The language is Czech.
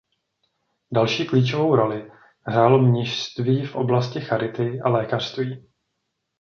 Další klíčovou roli hrálo mnišství v oblasti charity a lékařství.